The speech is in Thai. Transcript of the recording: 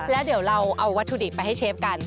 แล้วเดี๋ยวเราเอาวัตถุดิบไปให้เชฟกัน